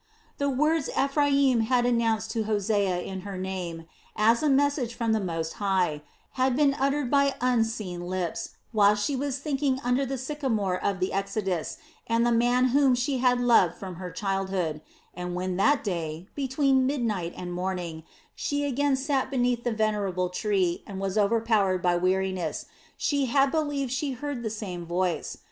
The words Ephraim had announced to Hosea in her name, as a message from the Most High, had been uttered by unseen lips while she was thinking under the sycamore of the exodus and the man whom she had loved from her childhood and when that day, between midnight and morning, she again sat beneath the venerable tree and was overpowered by weariness, she had believed she heard the same voice.